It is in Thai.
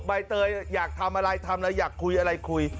ใบเตยอยากทำอะไรทำอะไรอยากคุยอะไรคุย